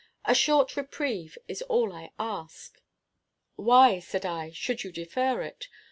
A short, reprieve is all I ask." "Why," said I, "should you defer it?